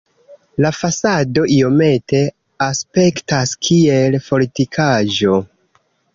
La fasado iomete aspektas kiel fortikaĵo.